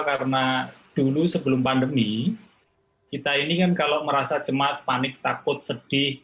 karena dulu sebelum pandemi kita ini kan kalau merasa cemas panik takut sedih